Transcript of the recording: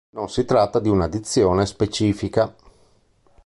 Non si tratta di una dizione specifica.